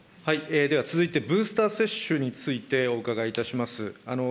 では続いて、ブースター接種についてお伺いいたします。